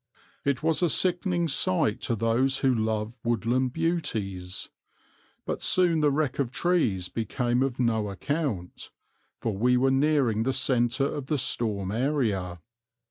It was a sickening sight to those who love woodland beauties. But soon the wreck of trees became of no account, for we were nearing the centre of the storm area.